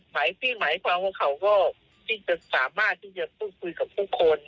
ไม้ไม้ว่าเขาเรื่องที่สามารถพูดคุยกับผู้คน